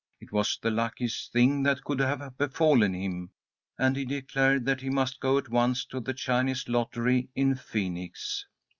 It was the luckiest thing that could have befallen him, and he declared that he must go at once to the Chinese lottery in Phoenix.